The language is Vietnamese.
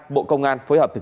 bộ công an phối hợp thực hiện